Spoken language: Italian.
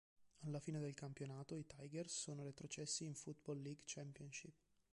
Alla fine del campionato i "Tigers" sono retrocessi in Football League Championship.